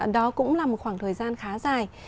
đó cũng là một khoảng thời gian khá dài